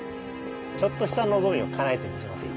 ちょっとした望みをかなえてみせますよ。